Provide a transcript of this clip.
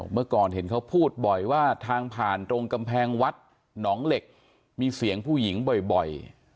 เมื่อก่อนเห็นเขาพูดบ่อยว่าทางผ่านตรงกำแพงวัดหนองเหล็กมีเสียงผู้หญิงบ่อย